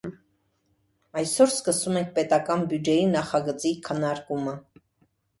Այսօր սկսում ենք պետական բյուջեի նախագծի քննարկումը: